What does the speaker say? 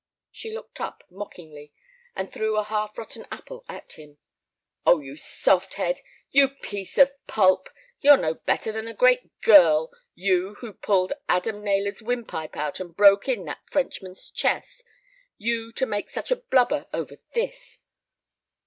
She looked up mockingly, and threw a half rotten apple at him. "Oh, you soft head!—you piece of pulp! You're no better than a great girl—you, who pulled Adam Naylor's windpipe out and broke in that Frenchman's chest. You, to make such a blubber over this!"